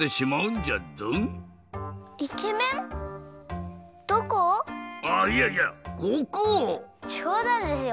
じょうだんですよ。